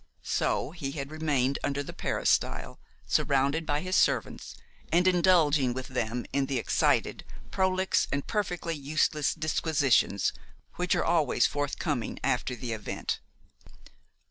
So he had remained under the peristyle, surrounded by his servants, and indulging with them in the excited, prolix and perfectly useless disquisitions which are always forthcoming after the event.